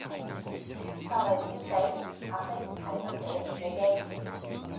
就嚟笑死，阿即係咁被人狙擊